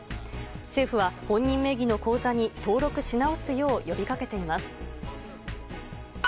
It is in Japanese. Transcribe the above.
政府は、本人名義の口座に登録し直すよう呼びかけています。